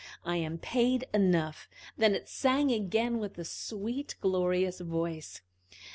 I am paid enough!" Then it sang again with a sweet, glorious voice.